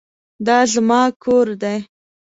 دا زما کور دی